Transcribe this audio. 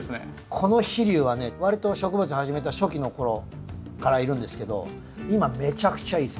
この飛竜はねわりと植物始めた初期の頃からいるんですけど今めちゃくちゃいいです。